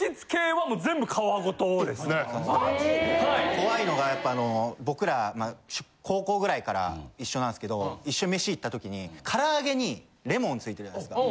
怖いのがやっぱ僕ら高校ぐらいから一緒なんすけど一緒メシ行った時にから揚げにレモン付いてるじゃないですか。